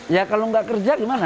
ya kalau nggak kerja gimana